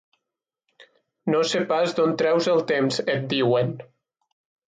No sé pas d'on treus el temps, et diuen.